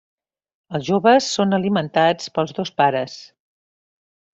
Els joves són alimentats pels dos pares.